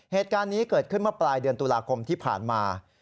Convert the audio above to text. เหตุการณ์นี้เกิดขึ้นเมื่อปลายเดือนตุลาคมที่ผ่านมา